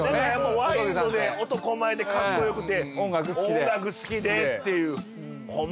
ワイルドで男前でかっこよくて音楽好きでっていうホンマ